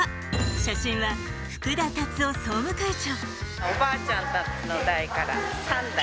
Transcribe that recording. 写真は、福田達夫総務会長。